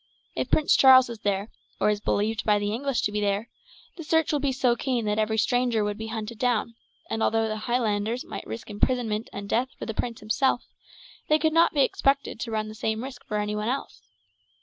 If Prince Charles is there, or is believed by the English to be there, the search will be so keen that every stranger would be hunted down; and although the Highlanders might risk imprisonment and death for the prince himself, they could not be expected to run the same risk for anyone else.